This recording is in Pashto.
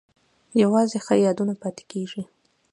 یوازې ښه یادونه پاتې کیږي